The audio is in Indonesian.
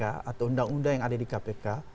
atau undang undang yang ada di kpk